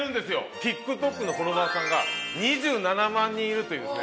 ＴｉｋＴｏｋのフォロワーさんが２７万人いるというですね。